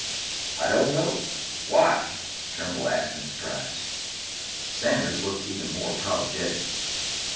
"I don't know. Why?" Turnbull asked in surprise. Sanders looked even more apologetic.